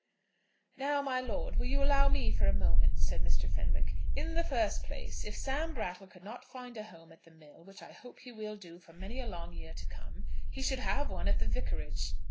"Now, my lord, will you allow me for a moment?" said Mr. Fenwick. "In the first place, if Sam Brattle could not find a home at the mill, which I hope he will do for many a long year to come, he should have one at the Vicarage."